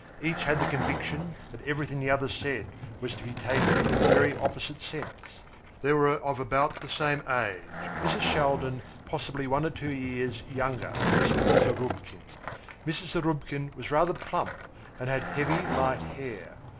Each had the conviction that everything the other said was to be taken in the very opposite sense. They were of about the same age, Mrs. Shaldin possibly one or two years younger than Mrs. Zarubkin. Mrs. Zarubkin was rather plump, and had heavy light hair.